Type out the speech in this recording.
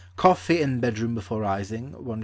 Coffee in bedroom before rising, 1s.